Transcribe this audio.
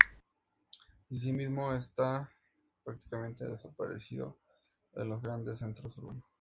Asimismo, está prácticamente desaparecido de los grandes centros urbanos.